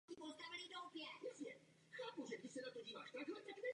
V době vietnamské invaze se používal dong.